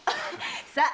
さあ！